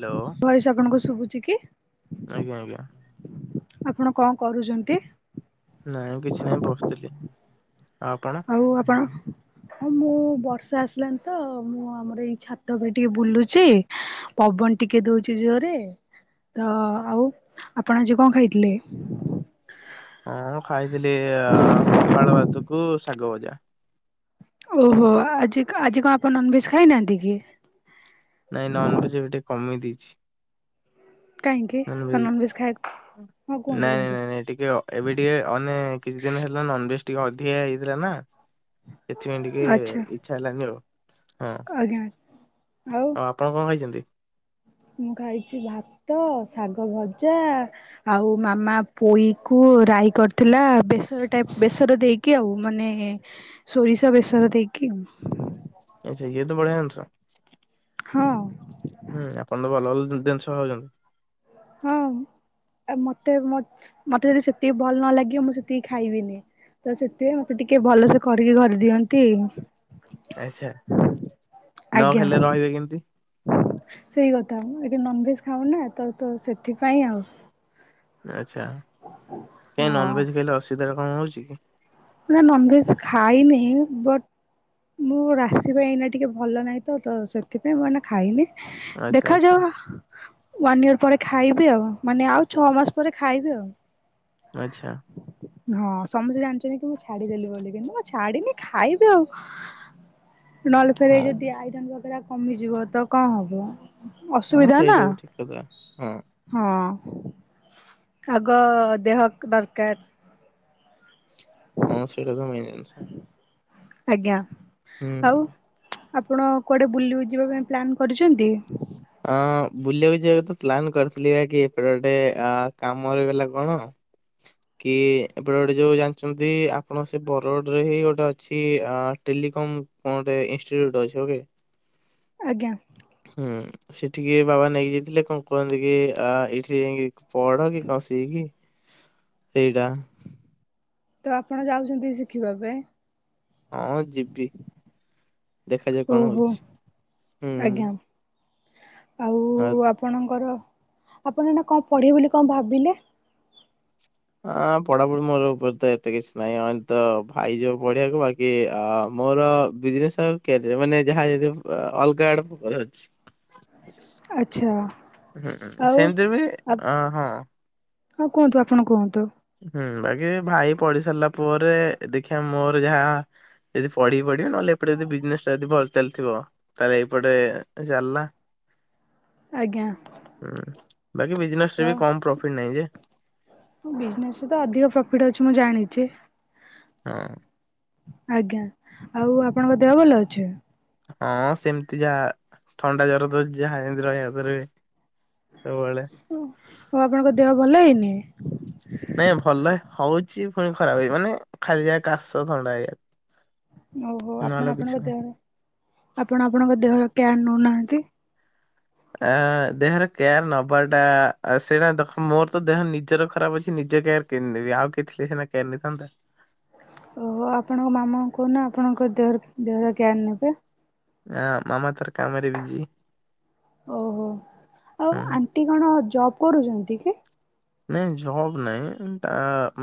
Hello voice ଆପଣଙ୍କୁ ଶୁଭୁଛି କି? ଆଜ୍ଞା ଆଜ୍ଞା ଆପଣ ଙ୍କ କରୁଚନ୍ତି? ନାଇଁ କିଛି ନାହିଁ ବସଥିଲି। ଆଉପଣ? ଆଉ ଆପଣ ହଁ ମୁଁ ବର୍ଷା ଆସିଲାନି ତ ମୁଁ ଆମର ଏଇ ଛାତ ପାଇଁ ଟିକେ ବୁଲୁଚି ପବନ ଟିକେ ଦୋଉଚି ଜୋରରେ ତ ଆଉ ଆପଣ ଆଜି ଙ୍କ ଖାଇଥିଲେ? ହଁ ଖାଇଥିଲି ଅ ପଖାଳ ଭାତୁକୁ ଶାଗ ଭଜା। ଓହୋ ଆଜି ଆଜି ଙ୍କ ଆପଣ ନନଭେଜ ଖାଇନାହାନ୍ତି କି? ନାଇଁ ନନଭେଜ ଏବେ ଟିକେ କମେଇ ଦେଇଛି। କାହିଁକି ନନଭେଜ୍ ନନଭେଜ ଖାଇ ନାଇ ହଁ କୁହନ୍ତୁ ନାଇ କୁହନ୍ତୁ ନାଇ ନାଇ ଟିକେ ଏବେ ଟିକେ ଅନେ କିଛି ଦିନ ହେଲା ନନଭେଜ ଟିକେ ଅଧିକା ହେଇଯାଇଥିଲା ନା ସେଥିପାଇଁ ଟିକେ ଆଚ୍ଛା ଇଚ୍ଛା ହେଲାନି ଆଉ ହଁ ଆଜ୍ଞା ଆ ଆଉ। ଆପଣ ଙ୍କ ଖାଇଛନ୍ତି? ମୁଁ ଖାଇଛି ଭାତ, ଶାଗ ଭଜା ଆଉ ମାମା ପୋଇକୁ ରାଇ କରିଥିଲା ବେସର ଟାଇପ ବେସର ଦେଇକି କି ଆଉ ମାନେ ସୋରିଷ ବେସର ଦେଇକି ଆଉ। ଆଚ୍ଛା ଇଏ ତ ବଢିଆ ଜିନିସ ହଁ। ହୁଁ ଆପଣ ତ ଭଲ ଭଲ ଜିନିଷ ଖାଉଛନ୍ତି ହଁ ମତେ ମତେ ଯଦି ସେତିକି ଭଲ ନ ଲାଗିବ ମୁଁ ସେତିକି ଖାଇବିନି। ତ ସେଥିପାଇଁ ମତେ ଟିକେ ଭଲସେ ଖରିକି ଘରି ଦିଅନ୍ତି। ଆଚ୍ଛା, ନ ଆଜ୍ଞା ଖାଇଲେ ରହିବେ କେମତି? ସେଇ କଥା ମୁଁ ଏଵେ ନନ୍‌ଭେଜ୍‌ ଖାଉନା ତ ତ, ସେଥିପାଇଁ ଆଉ। ଆଚ୍ଛା, କାଇଁ ହଁ ନନଭେଜ୍ ଖାଇଲେ, ଅସୁବିଧା କଁ ହଉଛି କି? ନା, ନନ୍‌ଭେଜ୍‌ ଖାଇନି ବଟ ମୋ ରାଶି ପାଇଁ ଏଇନା ଟିକେ ଭଲ ନାହିଁ ତ ତ, ସେଥିପାଇଁ ମୁଁ ଏଇନା ଖାଇନି। ଆଚ୍ଛା ଆଚ୍ଛା ଦେଖାଯାଉ ୱାନ୍‌ ଇୟର ପରେ ଖାଇବି ଆଉ, ମାନେ ଆଉ ଛଅ ମାସ ପରେ ଖାଇବି ଆଉ। ଆଚ୍ଛା। ହଁ, ସମସ୍ତେ ଜାଣିଛନ୍ତି କି ମୁଁ ଛାଡିଦେଲିି ବୋଲି, କିନ୍ତୁ ଛାଡ଼ିନି ଖାଇବି ଆଉ। ନହେଲେ ଫେର ଏ ହଉ। ଯଦି ଆଇରନ୍ ବଗେରା କମିଯିବ ତ, କଣ ହବ? ହଁ ଅସୁବିଧା ନା। ସେଇଟା ବି ଠିକ କଥା ହଁ ହଁ। ଆଗ ଦେହ କୁ ଦରକାର। ହଁ, ସେଇଟା ତ ମେନ୍‌ ଜିନିଷ। ଆଜ୍ଞା! ଆଉ ହୁଁ। ଆପଣ କୁଆଡ଼େ ବୁଲୁ ଯିବା ପାଇଁ ପ୍ଲାନ୍ କରିଛନ୍ତି? ଅଁ-ଅ-ଅ, ବୁଲିବାକୁ ଯିବାକୁ ତ ପ୍ଲାନ୍ କରିଥିଲି, ବାକି ଏପଟେ ଗୋଟେ ଅ-ଅ କାମ ରହିଗଲା କଣ ହଁ। [inaudible] କି, ଏପଟେ ଗୋଟେ ଯୋଉ ଜାଣିଛନ୍ତି, ଆପଣ ସେ ବରଗଡ଼ରେ ହିଁ ଗୋଟେ ଅଛି, ଆ ଟେଲିକମ୍ କଣ ଗୋଟେ ଇନଷ୍ଟିୁଟ୍ ଅଛି, ଓକେ ଆଜ୍ଞା। ହୁଁ, ସେଠିକି ବାବା ନେଇକି ଯାଇଥିଲେ, କଣ କୁହନ୍ତି କି, ଆ ଏଇଠି ଯାଇକି ପଢ଼ କି କଷି ହେଇକି ସେଇଟା ତ, ଆପଣ ଯାଉଛନ୍ତି ଶିଖିବା ପାଇଁ। ହଁ, ଯିବି। ଦେଖାଯାଉ କଣ ଓହୋ ହଉଛି, ହୁଁ। ଆଜ୍ଞା। ଆଉ ଆପଣଙ୍କର, ଆପଣ ଏଇନା କଣ ପଢ଼ିବେ ବୋଲି କଣ ଭାବିଲେ? ହଁ, ପଢ଼ାପଢ଼ି ମୋର ଉପରେ ତ ଏତେ କିଛି ନାହିଁ, ତ ଭାଇ ଯିବ ପଢ଼ିବାକୁ, ବାକି କି ଆ-ଆ, ମୋର ବିଜନେସ୍‌ର କ୍ୟାରିୟର୍, ମାନେ ଯାହା ଯଦି ଅଲଗା ଆଡ଼କୁ ଅଛି। ଆଚ୍ଛା। ହୁଁ, ଆଉ ସେମିତିରେ ବି ଅ, ହଁ। ହଉ, କୁହନ୍ତୁ ଆପଣ କୁହନ୍ତୁ? ହୁଁ, ବାକି ଭାଇ ପଢ଼ି ସାରିଲା ପରେ, ଦେଖିବା ମୋର ଯାହା ସେ ଯଦି ପଢ଼ି ପଢିବ, ନହେଲେ ଏପେଟେ ଯଦି ବିଜନେସ୍ ଟା ଯଦି ଭଲ ଚାଲିଥିବ। ତାହେଲେ ଏପଟେ ଚାଲିଲା। [inaudible] ଉଁ, ବାକି ବିଜନେସ୍‌ ତ ରେ ବି କମ୍ ପ୍ରଫିଟ ନାହିଁ ଯେ। ବିଜନେସ୍‌ ରେ ତ ଅଧିକ ପ୍ରଫିଟ ଅଛି, ମୁଁ ଜାଣିଛି। ହଁ। ଆଜ୍ଞା, ଆଉ ଆପଣଙ୍କ ଦେହ ଭଲ ଅଛି? ହଁ, ସେମିତି ଯାହା ଥଣ୍ଡା, ଜର ତ ଯାହା ଏମତି ରହିବା କଥା ରହେ ସବୁ ବେଳେ। ଓ, ହଉ ଆପଣଙ୍କ ଦେହ ଭଲ ହେଇନି? ନାଇଁ, ଭଲ ହଉଛି, ପୁଣି ଖରାପ ହେଇ, ମାନେ ଖାଲି ଯା କାଶ, ଥଣ୍ଡା ହେଇ ଓହୋ ଆପଣ ଆପଣଙ୍କ ନାହିଁ। ଦେହ ଆପଣ ଆପଣଙ୍କ ଦେହ କ୍ୟାୟାର ନେଉନାହାନ୍ତି। ଆ ଦେହର କେୟାର ନବାଟା ସେଇଟା ଦେଖ ମୋର ତ ଦେହ ନିଜର ଖରାପ ଅଛି ନିଜ କେୟାର କେମିତ ନେବି ଆଉ କିଏ ଥିଲେ ସିନା କେୟାର ନେଇଥାନ୍ତା। ଓହୋ ଆପଣଙ୍କ ମାମାଙ୍କୁ କହୁନ ଆପଣଙ୍କ ଦେହ ଦେହର କେୟାର ନେବେ। ଏଁ ମାମା ତାର କାମରେ ବିଜି ହୁଁ। ସେଟି କଣ ଜବ୍ କରୁଛନ୍ତି କି। ନାଇଁ ଜବ ନାଇଁ ତା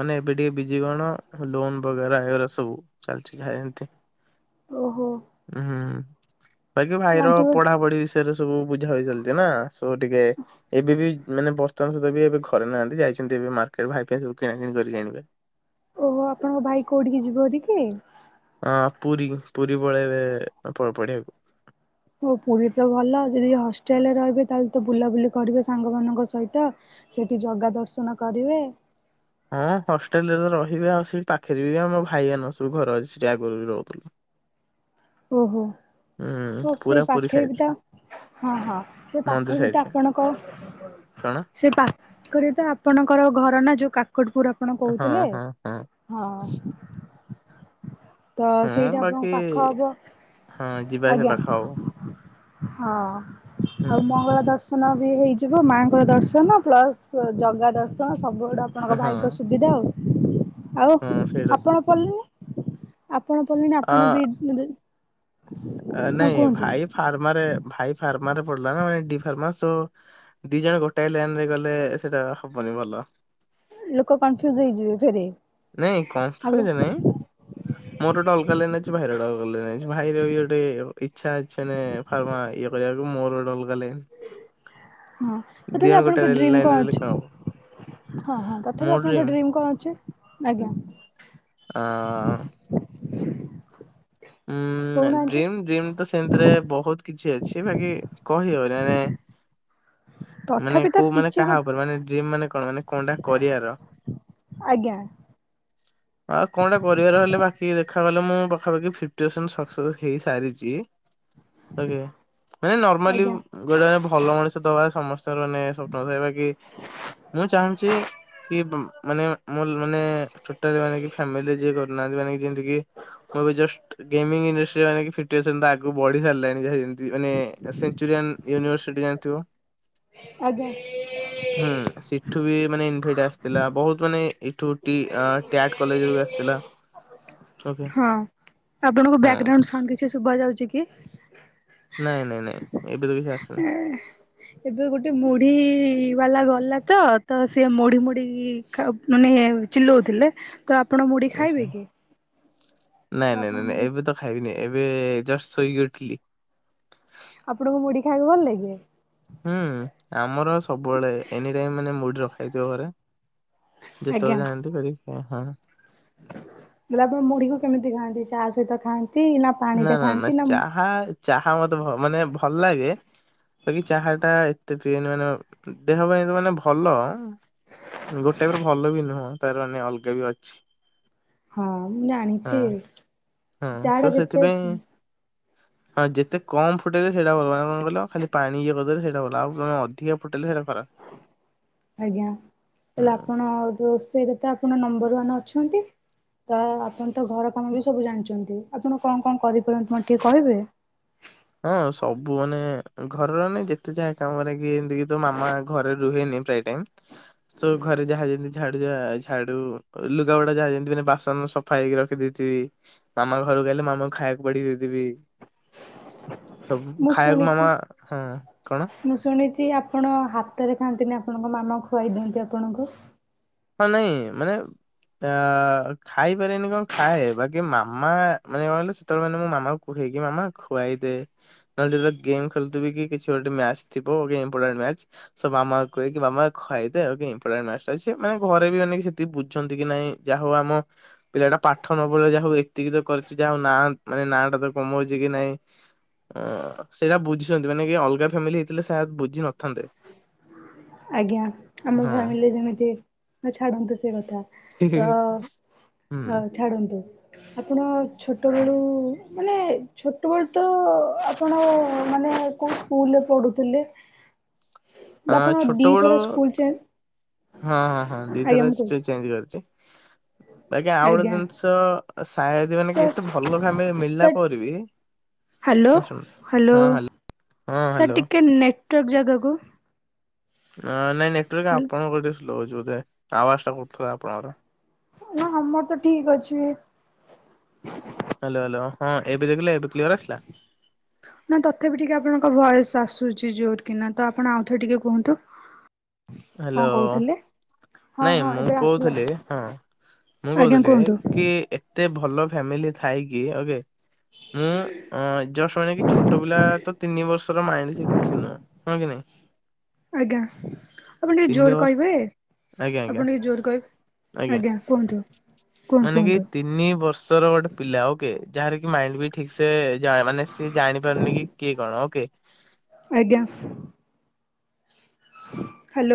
ମାନେ ଏବେ ଟିକେ ବିଜି କଣ ଲୋନ ବଗରା ଏରା ସବୁ ଚାଲିଛି ଯାହା ଏମିତି। ଓହୋ। ଉଁ ହୁଁ ବାକି ଭାଇର ଆଣ୍ଟି ବୋ ପଢାପଢି ବି ସେରା ସବୁ ବୁଝା ବୁଝି ଚାଲିଛି ନା ଏ ସବୁ ଟିକେ ଏବେ ବି ମାନେ ବ ର୍ତମାନ ସୁଦ୍ଧା ବି ଏବେ ଘରେ ନାହାନ୍ତି ଯାଇଛନ୍ତି ଏବେ ମାର୍କେଟ ଭାଇ ପାଇଁ ସବୁ କିଣା କିଣି କରି ଆଣିବେ। ଓହୋ ଆପଣଙ୍କ ଭାଇ କୋଉଠିକି ଯିବେ ଆଜି କି ହଁ ପୁରୀ ପୁରୀ ପଳେଇବେ ଏବେ ପଢ଼ିବାକୁ। ଓ ପୁରୀ ତ ଭଲ ଯଦି ହଷ୍ଟେଲରେ ରହିବେ ତାହେଲେ ତ ବୁଲାବୁଲି କରିବେ ସାଙ୍ଗମାନାନଙ୍କ ସହିତ ସେଠି ଜଗା ଦର୍ଶନ କରିବେ। ହଁ ହଷ୍ଟେଲ ରେ ତ ରହିବେ ଆଉ ସେଇ ପାଖରେ ବି ଆମ ଭାଇ ମାନ ସବୁ ଘର ଅଛି ସେଠି ଆଗରୁ ବି ରହୁଥିଲେ। [inaudible] ଓହୋ। ହୁଁ ସେ ସେଇ ପୁରା ପୁରୀ ପାଖରେ ବି ତ ସାଇଡରେ ହଁ ହଁ ସେ ମନ୍ଦିର ପାଖରେ ବି ତ ସାଇଡରେ ଆପଣଙ୍କ କଣ ସେ ପାଖରେ ତ ଆପଣଙ୍କର ଘର ନା ଯୋଉ କାକଟପୁର ଆପଣ କହୁଥିଲେ ହଁ ହଁ ହଁ। ହଁ। ତ ହଁ ସେଇଠି ଆପଣଙ୍କ ବାକି ପାଖ ହବ ହଁ ଯିବା ଆସିବା ଆଜ୍ଞା ପାଖ ହବ। ହଁ ହୁଁ ଆଉ ମଙ୍ଗଳା ଦର୍ଶ ନ ବି ହେଇଯିବ ମାଙ୍କର ଦର୍ଶନ ପ୍ଲସ ଜଗା ଦର୍ଶନ ଆଚ୍ଛା ସବୁ ଆଡେ ଆପଣଙ୍କ ହଁ। ଭାଇଙ୍କ ସୁବିଧା ଆଉ ଆଉ ହଁ ସେଇଟା ତ ଆପଣ ପିଢ଼ିଲେନି। ଆପଣ ପଢ଼ିଲେନି ଆପଣ ଆ ବି ହଁ ନାଇଁ କୁହନ୍ତୁ। ଭାଇ ଫାର୍ମ ଭାଇ ଫାର୍ମରେ ପଡିଲା ନା ଏଡି ଫର୍ମ ସୋ ଦି ଜଣ ଗୋଟାଏ ଲାଇନ ରେ ଗଲେ ସେଇଟା ହବନି ଭଲ। ଲୋକ କନଫ୍ୟୁଜ ହେଇଯିବେ ଫେରେ। ନାଇଁ ଆଉ କନଫ୍ୟୁଜ ନାଇଁ [unintelligible] ମୋର ଗୋଟେ ଅଲଗା ଲାଇନି ଅଛି ଭାଇର ଗୋଟେ ଅଲଗା ଲାଇନି ଅଛି ଭାଇର ବି ଗୋଟେ ଇଛା ଅଛି ମାନେ ଫର୍ମା ଇଏ କରିବାକୁ ମୋର ଗୋଟାଏ ଅଲଗା ଲାଇନି। ହଁ ତାଥାବି ଆପଣଙ୍କ ଡ୍ରିମି ଲାଇନରେ କଣ ହେଲେ ଅଛି। ହବ ହଁ ହଁ ମୋ ତଥାପି ଆପଣଙ୍କ ଡ୍ରିମ୍ ଡ୍ରିମି କଣ ଅଛି ଆଜ୍ଞା। ଆଉଁ ଉଁ କହୁନାହାନ୍ତି ଡ୍ରମି ଡ୍ରମି ତ ସେମତିରେ ବହୁତ କିଛି ଅଛି ବାକି କହିହଉନି ମାନେ ମାନେ ତଥାପି ତ କୋଉ ମାନେ କିଛି ଗୋ କାହା ଉପରେ ମାନେ ଡ୍ରମି ମାନେ କଣ ମାନେ କଣ ଟା କରିବାର। ଆଜ୍ଞା [inaudible] ଆଉ କଣଟା କରିବାର ହେଲେ ବାକି ଦେଖାଗଲେ ମୁଁ ପାଖାପାଖି ଫିପ୍ଟି ପରସେଣ୍ଟ ସକ୍ସେସ ହେଇସାରିଛି। [inaudible] ଆଜ୍ଞା ନା ନାଇଁ ନର୍ମାଲି ଆଜ୍ଞା ଗୋଟେ ଭଲ ମଣିଷ ଦବା ସମସ୍ତେ ଚଳନିୟ ସତ କଥା କହିବା କି ମୁଁ ଚାହୁଁଛି କି ମାନେ ମୁଁ ମାନେ ଟୋଟାଲି ମାନେ କିଏ ଫ୍ୟାମିଲି ଯିଏ ଘରେ ନାହାନ୍ତି ମାନେ ଯେନ୍ତି କି ମୁଁ ବି ଜଷ୍ଟ ଗେମିଙ୍ଗ୍ ରେସ୍ ରେ ମାନେ ଫିପ୍ଟି ପରସେଣ୍ଟ ତ ଆଗକୁ ବଢି ସାରିଲାଣି ଯାହା ଯେମିତି ମାନେ ସେନ୍ଚୁରିଆନ ୟୁନିଭର୍ସିଟି ଜାଣିଥିବ। ଆଜ୍ଞା। ହୁଁ ସେଠୁ ବି ମାନେ ଇନଭେଟ ଆସିଥିଲା। ବହୁତ ମାନେ ଏଠୁ ଟି ଟ୍ୟାଗ୍ କଲେଜରୁ ବି ଆସିଥିଲା ଓକେ ହଁ। ଆପଣଙ୍କୁ ବ୍ୟାକଗ୍ରାଉଣ୍ଡ ହଁ। ସାଉଣ୍ଡ କିଛି ଶୁଭ ଯାଉଛି କି? ନାଇଁ ନାଇଁ ନାଇଁ ଏବେ ତ କିଛି ଆସୁନି। ଏବେ ଗୋଟେ ମୁଢି ବାଲା ଗଲା ତ ତ ସିଏ ମୁଢି ମୁଢ଼ି ଖା ମାନେ ଚିଲଉଥିଲା ତ ଆପଣ ମୁଢି ଆଚ୍ଛା। ଖାଇବେ କି? ତ ନାଇଁ ନାଇଁ ଆପଣ ନାଇଁ ନାଇଁ ମୁଢି ଏବେ ତ ଖାଇବିନି ଏବେ ଜଷ୍ଟ ଶୋଇକି ଉଠିଲି। ଆପଣଙ୍କୁ ମୁଢି ଖାଇବାକୁ ଭଲ ଲାଗେ। ହୁଁ ଆମର ସବୁବେଳେ ଏନି ଟାଇମ ମାନେ ମୁଡି ରଖା ହେଇଥିବ ଘରେ। ଯେତେବେଳେ ଯାଆନ୍ତି ଧରିକି ଖାଏ ହଁ। ବେଲେ ଆପଣ ମୁଢିକୁ କେମିତି ଖାଆନ୍ତି ଚା ସହିତ ଖାଆନ୍ତି ନା ନା ପାଣିରେ ନା ଖାଆନ୍ତି ନା ମୁ ଚାହା ଚାହା ମତେ ମାନେ ଭଲ ଲାଗେ ବାକି ଚାହାଟା ଏତେ ପିଏନି ମାନେ ଦେହ ପାଇଁ ତ ମାନେ ଭଲ ଗୋଟେ କରୁ ଭଲ ବି ନୁହଁ ତାର ମାନେ ଅଲଗା ବି ଅଛି। ହଁ ମୁଁ ହଁ ଜାଣିଛି ହଁ ଚା ସୋ ଟା ଯେତେ ସେଥିପାଇଁ ହଁ ଯେତେ କମ ଫୁଟେଇଲେ ସେଇଟା ଭଲ ଆଉ କଣ କହିଲ ଖାଲି ପାଣି ଇଏ କରିଦଲେ ସେଇଟା ଭଲ ଆଉ ଅଧିକା ଫୁଟେଇଲେ ସେଟା ଖରାପ। ଆଜ୍ଞା ତାହଲେ ହୁଁ ଆପଣ ରୋଷେଇରେ ତ ଆପଣ ନମ୍ବର ୱାନ ଅଛନ୍ତି ତ ଆପଣ ତ ଘର କାମ ବି ସବୁ ଜାଣିଛନ୍ତି। ଆପଣ କଣ କଣ କରିପାରନ୍ତି ମତେ ଟିକେ କହିବେ? ହଁ ସବୁ ମାନେ ଘରର ମାନେ ଯେତେ ଯାହା କାମରେ କି ଏମିତି କି ତ ମାମା ଘରେ ରୁହେନି ପ୍ରାୟ ଟାଇମ। ସବୁ ଘରେ ଯାହା ଯେମିତି ଝାଡୁ ଝାଡୁ ଲୁଗାପଟା ଯାହା ଯେମିତି ମାନେ ବାସନ ସ ଫାଇକି ରଖି ଦେଇଥିବି ମାମା ଘରକୁ ଆଇଲେ ମାମାଙ୍କୁ ଖାଇବାକୁ ବାଢ଼ି ଦେଇ ଦେବି। ସବୁ ମୁଁ ଖାଇବାକୁ ଶୁଣିଛି ମାମା ହଁ କଣ? ମୁଁ ଶୁଣିଛି ଆପଣ ହାତରେ ଖାଆନ୍ତିନି ଆପଣଙ୍କ ମାମା ଖୁଆଇ ଦିଅନ୍ତି ଆପଣଙ୍କୁ। ହଁ ନାଇଁ ମାନେ ଆଁ ଖାଇପାରେନି କଣ ଖାଏ ବାକି ମାମା ମାନେ କଁ କହିଲ ତା ମାନେ ମୁଁ ମାମା କୁହେ କି ମାମା ଖୁଆାଇ ଦେ ନ ହେଲେ ଯେତେବେଳେ ଗେମ୍ ଖେଳୁଥିବି କି କିଛି ଗୋଟେ ମ୍ୟାଚ୍ ଥିବ କି ଇମ୍ପୋଟାଣ୍ଟ ମ୍ୟାଚ୍ ସୋ ମାମାକୁ କୁହେ କି ମାମା ଖୁାଆଇଦେ ଗୋଟେ ଇମ୍ପୋଟାଣ୍ଟ ମ୍ୟାଚ଼ଟେ ଅଛି। ସେ ମାନେ ଘରେ ବି ମାନେ ସେତିକି ବୁଝନ୍ତି କି ନାଇଁ ଯାହା ହଉ ଆମ ପିଲାଟା ପାଠ ନ ପଢ଼ିକି ଯା ହଉ ଏତିକି ତ କରଛି ଯାହାଉ ନା ମାନେ ନାଁ ଟା ତ କମାଉଛି କି ନାଇଁ ଅଁ ସେଇଟା ବୁଝିଛନ୍ତି ମାନେ କି ଅଲଗା ଫ୍ୟାମିଲି ହେଇଥିଲେ ସାୟଦ ବୁଝି ନଥାନ୍ତେ। ଆଜ୍ଞା ଆମ ହଁ ଫ୍ୟାମିଲି ଯେମିତି ଛାଡନ୍ତୁ ସେ କଥା ତ ଅ ହୁଁ ଛାଡ଼ନ୍ତୁ ଆପଣ ଛୋଟବେଳୁ ମାନେ ଛୋଟବେଳୁ ତ ଆପଣ ମାନେ କୋଉ ସ୍କୁଲରେ ପଢ଼ୁଥିଲେ? ହଁ ଛୋଟବେଳୁ ସ୍କୁଲ ଚେ ହଁ ହଁ ହଁ ଦି ଆଜ୍ଞା ଥର ମୁଁ ସ୍କୁଲ କହୁଛି ଚେଞ୍ଜ କରିଛି। ଆଜ୍ଞା ଆଉ ଗୋଟେ ଜିନିଷ ସାୟଦ ମାନେ କି ସାର୍ ଏତେ ଭଲ ଫ୍ୟାମିଲି ମିଳିଲା ସାର୍ ପରେ ବି ହ୍ୟାଲୋ ଶୁଣ ହ୍ୟାଲୋ ହଁ ହାଲୋ ହଁ ହାଲୋ ଟ୍ରକ୍ ଜାଗାକୁ ନାଇଁ ନାଇଁ ନେଟ୍ୱାର୍କ ହ୍ୟାଲୋ ଆପଣଙ୍କର ସ୍ଲୋ ଅଛି ବୋଧେ ଆୱାଜ ଟା କରୁଥିଲା ଆପଣଙ୍କର। ହଁ ଆମର ତ ଠିକ୍ ଅଛି। ହାଲୋ ହାଲୋ ହଁ ଏବେ ଦେଖିଲେ ଏବେ କ୍ଲିୟର ଆସିଲା। [inaudible] ନା ତଥାପି ଟିକେ୍ ଆପଣଙ୍କ ଭଏସ୍ ଆସୁଛି ଜୋର କିନା ତ ଆପଣ ଆଉଥରେ ଟିକେ୍ କୁହନ୍ତୁ। କଣ ହାଲୋ। କହୁଥିଲେ? ହଁ ନାଇଁ ହଁ ମୁଁ ଏବେ ଆସିଲା କହୁଥିଲି ହଁ ମୁଁ ଆଜ୍ଞା କହୁଥିଲି କୁହନ୍ତୁ କି ଏ ଏତେ ଭଲ ଫ୍ୟାମିଲି ଥାଇକି ଓକେ ମୁଁ ଜଷ୍ଟ ମାନେ କି ଛୋଟ ପିଲା ତ ତିନି ବର୍ଷର ମାଇଣ୍ଡି କିଛି ନୁହଁ। ହଁ କି ନାହିଁ। ଆଜ୍ଞା। ଆପଣ ଟିକେ ତିନି ଜୋର ବର୍ଷ କହିବେ ଆଜ୍ଞା ଆଜ୍ଞା ଆପଣ ଟିକେ ଜୋର କହିବେ ଆଜ୍ଞା କୁହନ୍ତୁ। କୁହନ୍ତୁ ମାନେ କି କୁହନ୍ତୁ ତିନି ବର୍ଷର ଗୋଟେ ପିଲା ଓକେ୍ ଯାହାର କି ମାଇଣ୍ଡ ବି ଠିକ୍ ସେ ମାନେ ସିଏ ଜାଣି ପାରୁନି କି କିଏ କଣ ଓକେ୍। ଆଞା। ହାଲୋ।